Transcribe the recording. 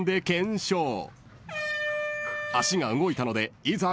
［足が動いたのでいざ